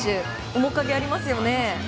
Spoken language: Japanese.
面影ありますよね。